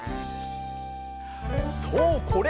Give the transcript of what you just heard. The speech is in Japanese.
そうこれ！